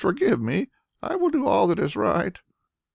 forgive me. I will do all that is right."